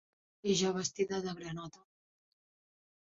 I jo, vestida de granota.